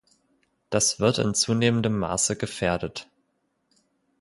Das wird in zunehmendem Maße gefährdet.